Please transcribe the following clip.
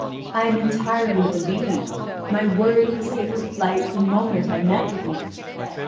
I am entirely relieved; my worry has taken flight the moment I met with you.